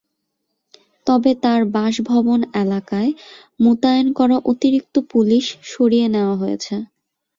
তবে তাঁর বাসভবন এলাকায় মোতায়েন করা অতিরিক্ত পুলিশ সরিয়ে নেওয়া হয়েছে।